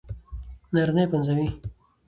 نارينه يې پنځوي